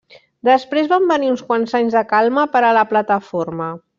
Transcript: Després van venir uns quants anys de calma per a la Plataforma.